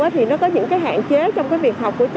thì nó có những hạn chế trong việc học của cháu